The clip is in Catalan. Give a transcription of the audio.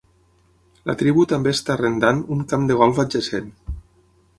La tribu també està arrendant un camp de golf adjacent.